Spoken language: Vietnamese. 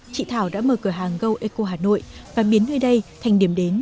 chị thảo đã mở cửa hàng go eco hà nội và biến nơi đây thành điểm đến